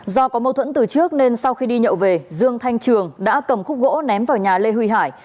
do có mâu thuẫn từ trước nên sau khi đi nhậu về dương thanh trường đã cầm khúc gỗ ném vào nhà lê huy hải